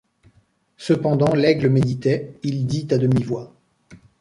Cependant Laigle méditait ; il dit à demi-voix